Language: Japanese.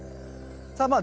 さあまあ